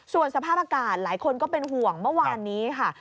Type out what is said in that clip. ส่วนสภาพอากาศหลายคนก็เป็นห่วงเมื่อวานนี้ค่ะ